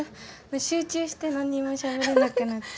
集中して何にもしゃべれなくなっちゃう。